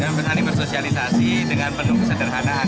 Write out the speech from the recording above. dan benar benar bersosialisasi dengan penuh kesederhanaan